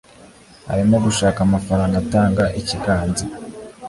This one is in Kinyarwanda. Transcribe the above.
arimo gushaka amafaranga atanga ikiganza